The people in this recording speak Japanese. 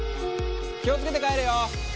気を付けて帰れよ！